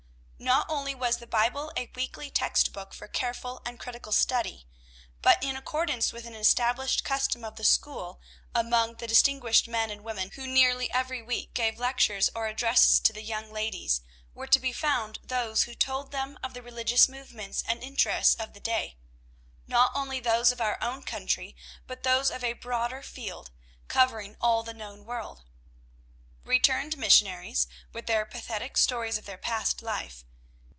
Not only was the Bible a weekly text book for careful and critical study, but, in accordance with an established custom of the school, among the distinguished men and women who nearly every week gave lectures or addresses to the young ladies, were to be found those who told them of the religious movements and interests of the day. Not only those of our own country, but those of a broader field, covering all the known world. Returned missionaries, with their pathetic stories of their past life.